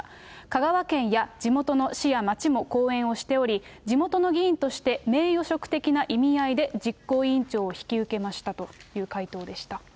香川県や地元の市や町も後援をしており、地元の議員として名誉職的な意味合いで、実行委員長を引き受けましたという回答でした。